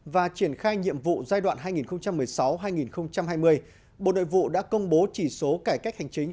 và triển khai nhiệm vụ giai đoạn hai nghìn một mươi sáu hai nghìn hai mươi bộ nội vụ đã công bố chỉ số cải cách hành chính